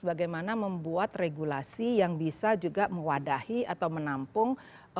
bagaimana membuat regulasi yang bisa juga mewadahi atau menampung